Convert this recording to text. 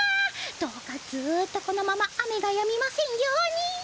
どうかずっとこのまま雨がやみませんように。